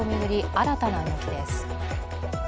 新たな動きです。